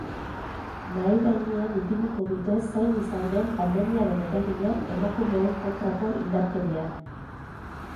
Mahai gainean ipiniko dute zein izan den pandemiaren eragina emakumeen kontrako indarkerian.